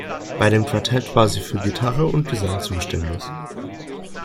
Bei dem Quartett war sie für Gitarre und Gesang zuständig.